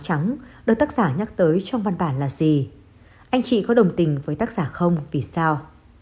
anh chị có đồng tình với tác giả không vì sao